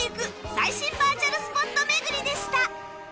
最新バーチャルスポット巡りでした